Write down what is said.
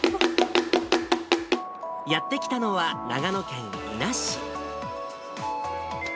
やって来たのは、長野県伊那市。